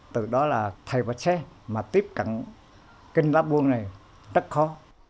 từ đó là thầy phật sếp mà tiếp cận kinh lá buông này rất khó